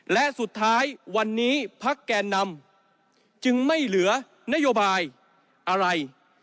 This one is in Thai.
และสุดท้ายวันนี้พักแกนนำจึงไม่เหลือนโยบายอะไร